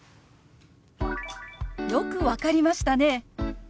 「よく分かりましたね！」。